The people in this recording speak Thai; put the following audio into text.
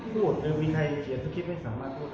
พูดตื่อวิไทเกียรจะพูดไม่สามารถพูด